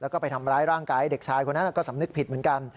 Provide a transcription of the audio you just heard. แล้วก็ไปทำร้ายร่างกายเด็กชายคนนั้นก็สำนึกผิดเหมือนกัน